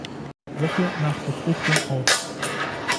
Woche nach Befruchtung auf.